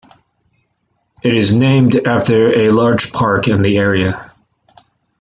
It is named after a large park in the area.